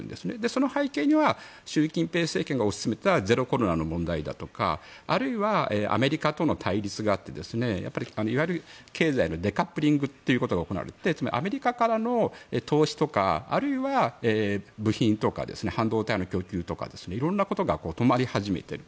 その背景には習近平政権が推し進めたゼロコロナの問題だとかあるいはアメリカとの対立があっていわゆる経済のデカップリングということが行われてつまりアメリカからの投資とかあるいは部品とか半導体の供給とか色んなことが止まり始めている。